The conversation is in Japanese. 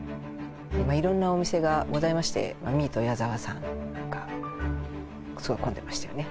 色んなお店がございましてミート矢澤さんとかすごい混んでましたよね